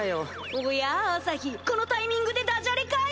おや朝陽このタイミングでダジャレかい？